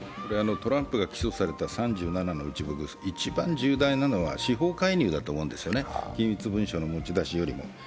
トランプが起訴された３７の罪の一部で一番重要だと思っているのは、司法介入だと思うんですね、機密文書の持ち出しよりも。